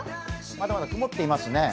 まだまだ曇ってますね。